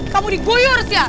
kamu diguyur sia